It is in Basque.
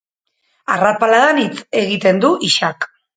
Arrapaladan hitz egiten du Xk.